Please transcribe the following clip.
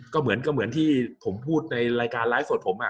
ก็เหมือนที่ผมพูดในรายการไลฟ์ส่วนผมอะ